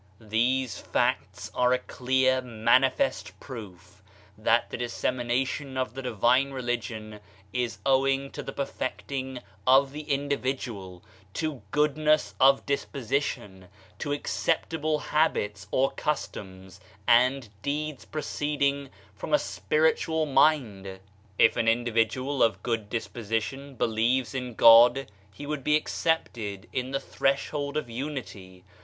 These facts are a clear manifest proof that the dissemination of the divine religion is owing to the perfecting of the individual, to goodness of dispo sition, to acceptable habits or customs and deeds proceeding from a spiritual mind. If an individual of good disposition believes in God, he would be accepted in the Threshold of Unity.